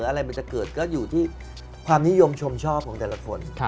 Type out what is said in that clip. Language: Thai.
อะไรมันจะเกิดก็อยู่ที่ความนิยมชมชอบของแต่ละคน